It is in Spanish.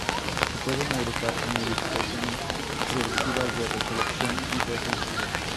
Se pueden agrupar en edificaciones productivas, de recolección y defensivas.